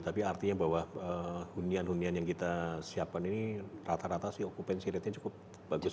tapi artinya bahwa hunian hunian yang kita siapkan ini rata rata sih okupansi ratenya cukup bagus